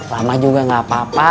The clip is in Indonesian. lama juga gak apa apa